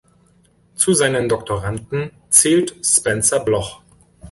Zu seinen Doktoranden zählt Spencer Bloch.